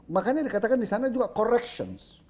makanya dikatakan di sana juga corrections